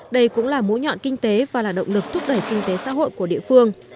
đây cũng là mũi nhọn kinh tế và là động lực thúc đẩy kinh tế xã hội của địa phương